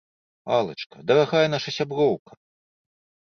Алачка, дарагая наша сяброўка!